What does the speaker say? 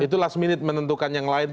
itu last minute menentukan yang lain